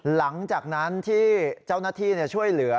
หลังจากนั้นที่เจ้าหน้าที่ช่วยเหลือ